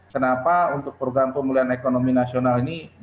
kenapa untuk program pemulihan ekonomi nasional ini